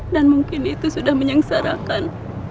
dan mungkin itu sudah menyengsarakan